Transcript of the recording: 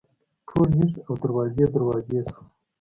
ټول ویښ او دروازې، دروازې شوه